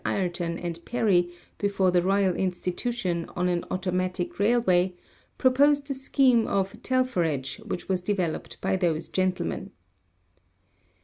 Ayrton and Perry before the Royal In stitution on an automatic railway, proposed a scheme of telpherage which was developed by those gentlemen.